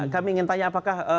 kami ingin tanya apakah